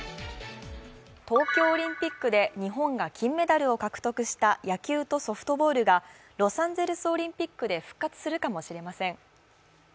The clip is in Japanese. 東京オリンピックで日本が金メダルを獲得した野球とソフトボールがロサンゼルスオリンピックで復活するかもしれません。